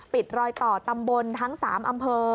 รอยต่อตำบลทั้ง๓อำเภอ